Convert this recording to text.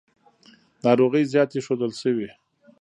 ناروغۍ زیاتې ښودل شوې.